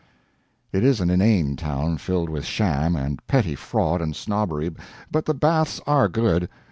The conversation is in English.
It is an inane town, filled with sham, and petty fraud, and snobbery, but the baths are good.